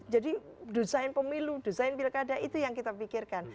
jadi dosain pemilu dosain pilkada itu yang kita pikirkan